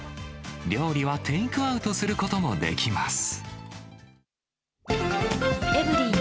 料理はテイクアウトすることもできます。